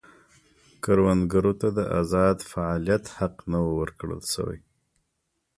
کروندګرو ته د ازاد فعالیت حق نه و ورکړل شوی.